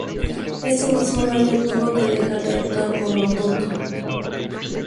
Ese mismo año tuvo que dejar de actuar con Toto.